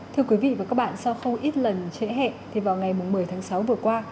thưa quý vị và các bạn sau không ít lần trễ hẹn thì vào ngày một mươi tháng sáu vừa qua